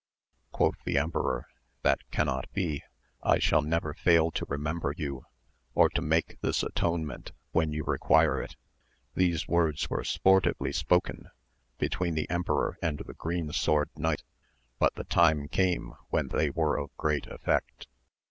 Quoth the emperor, that cannot be, I shall never fail to remem ber you, or to make this atonement when you require it. These words were sportively spoken between the 298 AMADIS OF GAUL, emperor and the Green Sword Knight, but the time came when they were of great eflPect.